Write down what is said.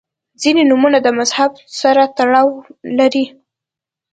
• ځینې نومونه د مذهب سره تړاو لري.